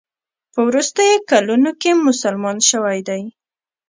په وروستیو کلونو کې مسلمان شوی دی.